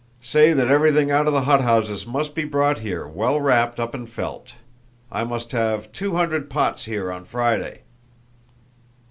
Say that everything out of the hothouses must be brought here well wrapped up in felt. I must have two hundred pots here on Friday."